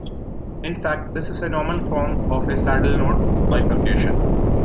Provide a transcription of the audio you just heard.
In fact, this is a normal form of a saddle-node bifurcation.